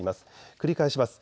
繰り返します。